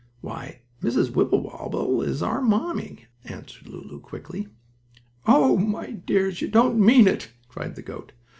"Why, Mrs. Wibblewobble is our mamma," answered Lulu, quickly. "Oh, my dears! You don't mean it!" cried the goat.